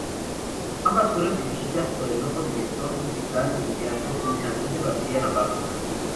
Ambas fueron dirigidas por el nuevo director musical del Teatro, Luis Antonio García Navarro.